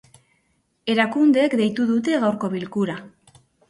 Erakundeek deitu dute gaurko bilkura.